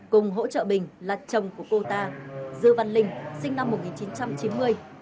cùng hỗ trợ bình là chồng của cô ta dư văn linh sinh năm một nghìn chín trăm chín mươi